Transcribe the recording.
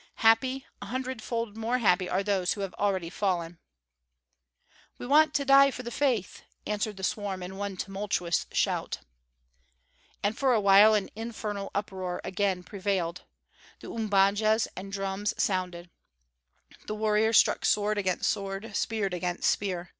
Happy, a hundredfold more happy are those who already have fallen. "We want to die for the faith!" answered the swarm in one tumultuous shout. And for a while an infernal uproar again prevailed. The umbajas and drums sounded. The warriors struck sword against sword, spear against spear.